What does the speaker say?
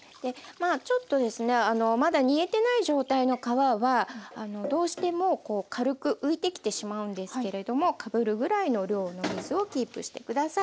まあちょっとですねまだ煮えてない状態の皮はどうしてもこう軽く浮いてきてしまうんですけれどもかぶるぐらいの量の水をキープして下さい。